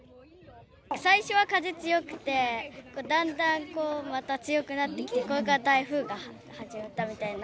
最初は風強くて、だんだんこう、また強くなってきて、台風が始まったみたいな。